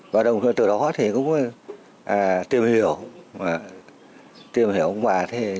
và đồng thời từ đó thì cũng tìm hiểu tìm hiểu ông bà